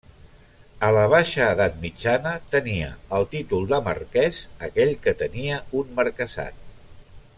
A la baixa edat mitjana, tenia el títol de marquès aquell que tenia un marquesat.